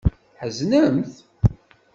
Tḥeznemt?